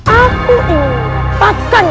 aku ingin melakukan